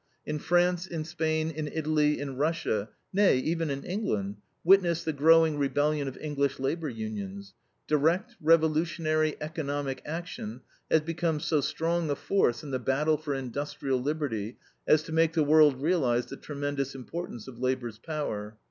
In France, in Spain, in Italy, in Russia, nay even in England (witness the growing rebellion of English labor unions) direct, revolutionary, economic action has become so strong a force in the battle for industrial liberty as to make the world realize the tremendous importance of labor's power.